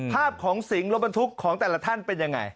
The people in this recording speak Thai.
ภาพของสิงรถบรรทุกของแต่ละท่านเป็นยังไง